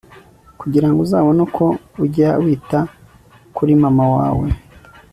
kugira ngo uzabone uko ujya wita kuri mama wawe